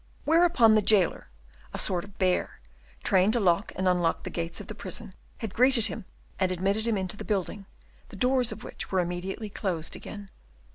Whereupon the jailer, a sort of bear, trained to lock and unlock the gates of the prison, had greeted him and admitted him into the building, the doors of which were immediately closed again.